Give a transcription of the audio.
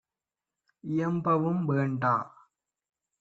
இயம்பவும் வேண்டா!